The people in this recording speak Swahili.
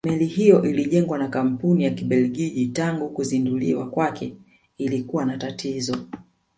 Meli hiyo ilijengwa na kampuni ya Kibelgiji tangu kuzinduliwa kwake ilikuwa na tatizo